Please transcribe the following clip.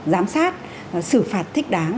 giám sát xử phạt thích đáng